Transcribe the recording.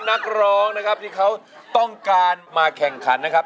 นักร้องนะครับที่เขาต้องการมาแข่งขันนะครับ